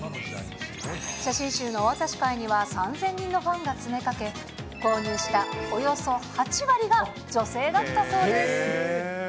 写真集のお渡し会には３０００人のファンが詰めかけ、購入したおよそ８割が女性だったそうです。